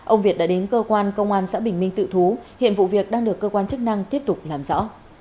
ông việt đã đến cơ quan công an xã bình minh tự thú hiện vụ việc đang được cơ quan chức năng tiếp tục làm rõ